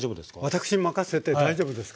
私に任せて大丈夫ですか？